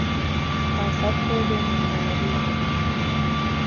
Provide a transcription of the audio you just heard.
در سطح بین المللی